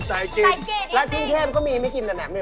ถ้าชิงเทพก็มีไม่กินแต่แหน่มเหนือง